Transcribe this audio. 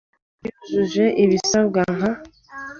Ndi hafi yujuje ibisabwa nka .